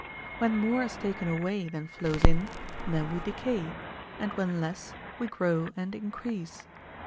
When more is taken away than flows in, then we decay, and when less, we grow and increase.